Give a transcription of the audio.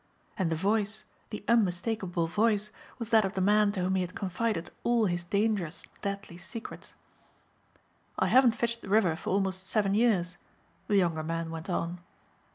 And the voice, the unmistakable voice, was that of the man to whom he had confided all his dangerous, deadly secrets. "I haven't fished the river for almost seven years," the younger man went on.